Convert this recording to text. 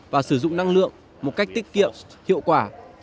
và sử dụng năng lượng một cách tiết kiệm hiệu quả